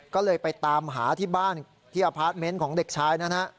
ก็เลยไปตามหาที่บ้านที่อพาร์ทเมนต์ของเด็กชายนะฮะ